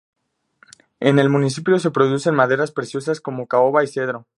En el municipio se producen maderas preciosas como caoba y cedro.